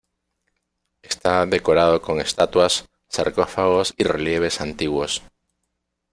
Está decorado con estatuas, sarcófagos y relieves antiguos.